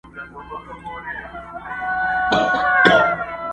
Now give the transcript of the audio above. o سپين ږيري سپيني خبري کوي!